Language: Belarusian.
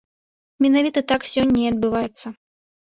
Менавіта так сёння і адбываецца.